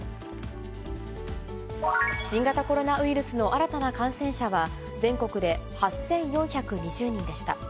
新型コロナウイルスの新たな感染者は、全国で８４２０人でした。